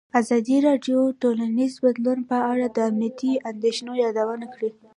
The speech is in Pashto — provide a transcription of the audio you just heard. ازادي راډیو د ټولنیز بدلون په اړه د امنیتي اندېښنو یادونه کړې.